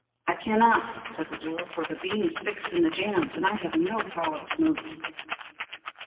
"I cannot," said the door, "for the beam is fixed in the jambs and I have no power to move."